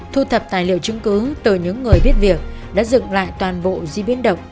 thu thập tài liệu chứng cứ từ những người biết việc đã dựng lại toàn bộ di biến động